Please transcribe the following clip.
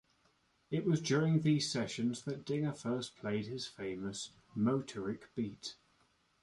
It was during these sessions that Dinger first played his famous "motorik" beat.